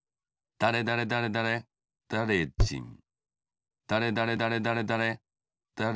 だれだれだれだれ